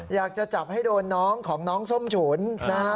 อยากจะจับให้โดนน้องของน้องส้มฉุนนะฮะ